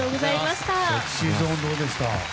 ＳｅｘｙＺｏｎｅどうでした？